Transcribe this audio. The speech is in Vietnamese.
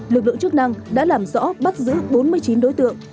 lực lượng chức năng đã làm rõ bắt giữ bốn mươi chín đối tượng